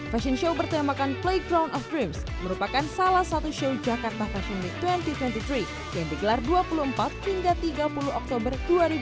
fashion show bertemakan playground of dreams merupakan salah satu show jakarta fashion week dua ribu dua puluh tiga yang digelar dua puluh empat hingga tiga puluh oktober dua ribu dua puluh